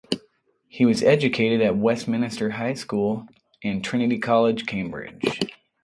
He was educated at Westminster School and Trinity College, Cambridge.